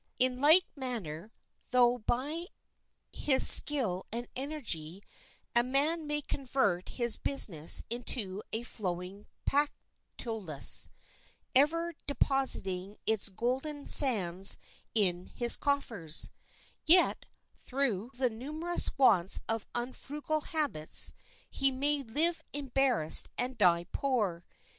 In like manner, though by his skill and energy a man may convert his business into a flowing Pactolus, ever depositing its golden sands in his coffers, yet, through the numerous wants of unfrugal habits, he may live embarrassed and die poor.